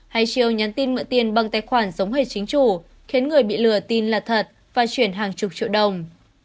hay chiều nhắn tin mượn tiền bằng tài khoản giống hệ chính chủ khiến người bị lừa tin là thật và chuyển hàng chục triệu đồng